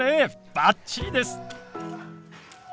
バッチリです！